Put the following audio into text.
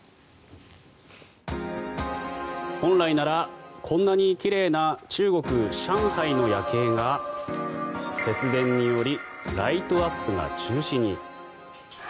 本来ならこんなに奇麗な中国・上海の夜景が節電によりライトアップが中止に。